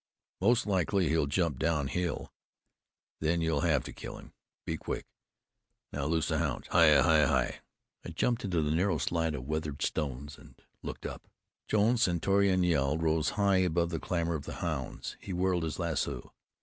Most likely he'll jump down hill then you'll HAVE to kill him! Be quick. Now loose the hounds. Hi! Hi! Hi! Hi!" I jumped into the narrow slide of weathered stone and looked up. Jones's stentorian yell rose high above the clamor of the hounds. He whirled his lasso.